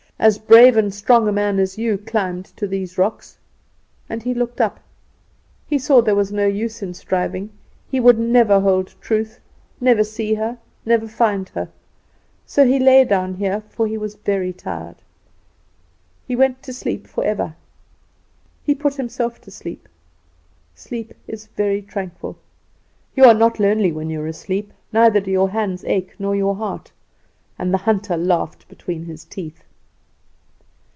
As brave and strong a man as you climbed to these rocks.' And he looked up. He saw there was no use in striving; he would never hold Truth, never see her, never find her. So he lay down here, for he was very tired. He went to sleep forever. He put himself to sleep. Sleep is very tranquil. You are not lonely when you are asleep, neither do your hands ache, nor your heart. And the hunter laughed between his teeth.